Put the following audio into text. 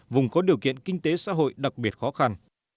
vùng có điều kiện kinh tế xã hội đặc biệt khó khăn